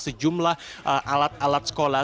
sejumlah alat alat sekolah